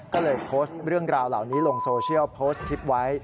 ก็เลยโพสต์เรื่องราวเหล่านี้ลงโซเชียลโพสต์คลิปไว้